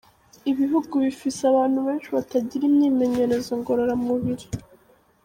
Ibihugu bifise abantu benshi batagira imyimenyerezo ngororamubiri: .